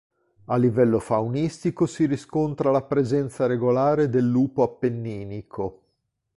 A livello faunistico si riscontra la presenza regolare del lupo appenninico.